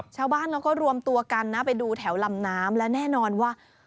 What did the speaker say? ชาวบ้านเขาก็รวมตัวกันนะไปดูแถวลำน้ำและแน่นอนว่า